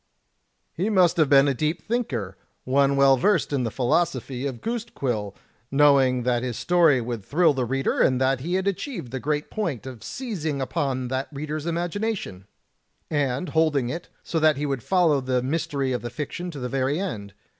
"He must have been a deep thinker, one well versed in the philosophy of goose quill, knowing that his story would thrill the reader, and that he had achieved the great point of seizing . upon that reader's imagination, and holding it, so that he would follow the mystery of the fiction to the very end.